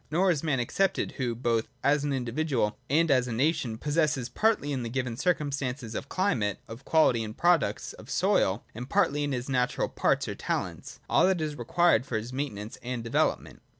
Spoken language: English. Nor is man excepted, who, both as an individual and as a nation, possesses partly in the given circumstances of climate, of quality and products of soil, and partly in his natural parts or talents, all that is required for his maintenance and development.